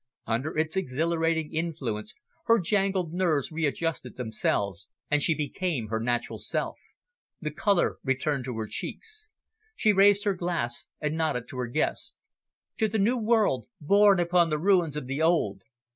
Under its exhilarating influence, her jangled nerves readjusted themselves, and she became her natural self. The colour returned to her cheeks. She raised her glass and nodded to her guest. "To the new world, born upon the ruins of the old."